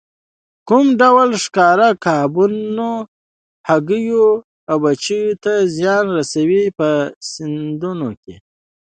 کوم ډول ښکار کبانو، هګیو او بچیو ته زیان رسوي په سیندونو کې.